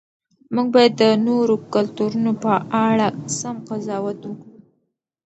موږ باید د نورو کلتورونو په اړه سم قضاوت وکړو.